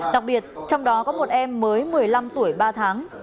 đặc biệt trong đó có một em mới một mươi năm tuổi ba tháng